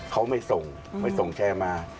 เขาไม่ส่งไม่ส่งแชร์มา